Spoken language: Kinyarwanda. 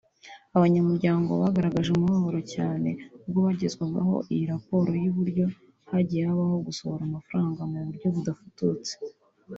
Abanyamuryango bagaragaje umubabaro cyane ubwo bagezwagaho iyi raporo y’uburyo hagiye habaho gusohora amafaranga mu buryo budafututse